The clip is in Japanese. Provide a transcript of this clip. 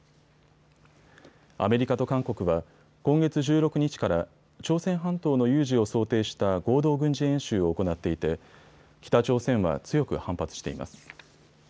アメリカと韓国は今月１６日から朝鮮半島の有事を想定した合同軍事演習を行っていて北朝鮮は強く反発しています。